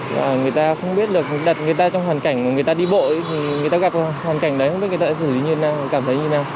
và người ta không biết được đặt người ta trong hoàn cảnh mà người ta đi bộ thì người ta gặp hoàn cảnh đấy không biết người ta sẽ xử lý như thế nào cảm thấy như thế nào